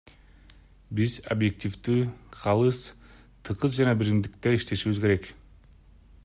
Биз объективдүү, калыс, тыгыз жана биримдикте иштешибиз керек.